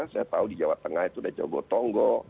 saya tahu di jawa tengah itu ada jogotongo